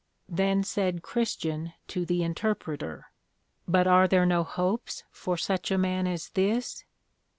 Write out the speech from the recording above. Then said Christian to the Interpreter, But are there no hopes for such a man as this?